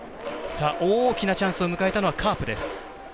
大きなチャンスを迎えたのはカープです。